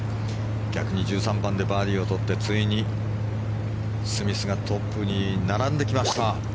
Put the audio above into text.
逆に１３番でバーディーを取ってついにスミスがトップに並んできました。